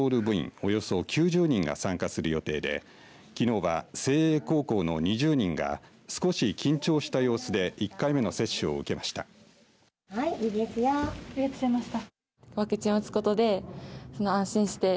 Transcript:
およそ９０人が参加する予定できのうは誠英高校の２０人が少し緊張した様子で１回目の接種を受けました。